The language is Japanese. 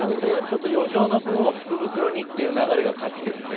余剰の分を福袋にという流れが変わってきたんですね。